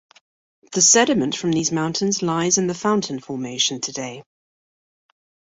The sediment from these mountains lies in the Fountain Formation today.